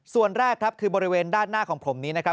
ส่วนแรกครับคือบริเวณด้านหน้าของผมนี้นะครับ